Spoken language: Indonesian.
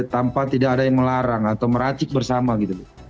tanpa tidak ada yang melarang atau meracik bersama gitu